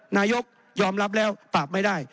นายกยอมรับแล้วปราบไม่ได้